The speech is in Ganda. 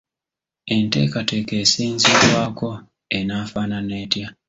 Enteekateeka esinziirwako enaafaanana etya?